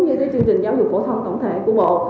như cái chương trình giáo dục phổ thông tổng thể của bộ